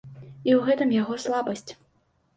І ў гэтым яго слабасць.